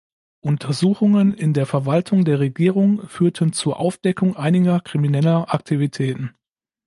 Untersuchungen in der Verwaltung der Regierung führten zur Aufdeckung einiger krimineller Aktivitäten.